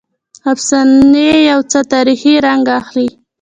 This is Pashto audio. افسانې یو څه تاریخي رنګ اخلي.